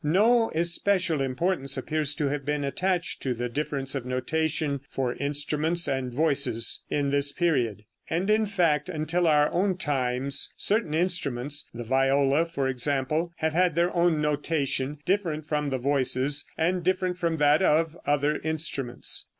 No especial importance appears to have been attached to the difference of notation for instruments and voices in this period. And in fact, until our own times certain instruments, the viola, for example, have had their own notation, different from the voices, and different from that of other instruments.